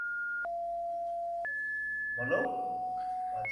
এখন আমি একদম ক্লিয়ার।